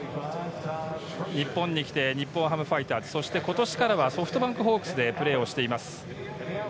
日本に来て日本ハムファイターズ、今年からはソフトバンクホークスでプレーをしています。